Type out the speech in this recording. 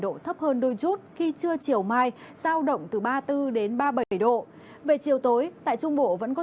độ thấp hơn đôi chút khi trưa chiều mai sao động từ ba mươi bốn đến ba mươi bảy độ về chiều tối tại trung bộ vẫn có